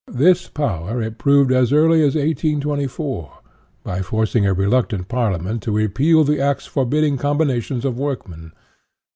This power it proved as early as 1824, by forcing a reluctant Parliament to repeal the acts forbidding combinations of work men.